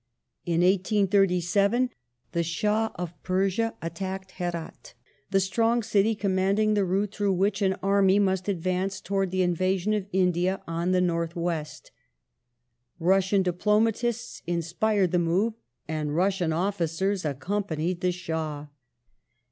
In 1837 the Shah of Persia attacked Herat, the strong city commanding the route through which an army must advance towards the invasion >of India on the North West. Russian diplomatists inspired the move, and Russian officers accompanied the Shah.